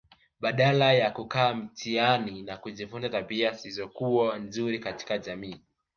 Badala ya kukaa mitaani na kujifunza tabia zisizokuwa nzuri katika jamii